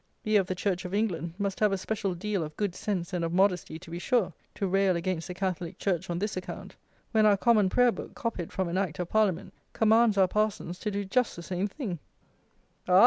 We, of the Church of England, must have a special deal of good sense and of modesty, to be sure, to rail against the Catholic Church on this account, when our Common Prayer Book, copied from an Act of Parliament, commands our Parsons to do just the same thing! Ah!